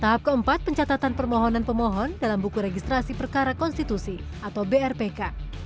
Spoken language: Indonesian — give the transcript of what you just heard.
tahap keempat pencatatan permohonan pemohon dalam buku registrasi perkara konstitusi atau brpk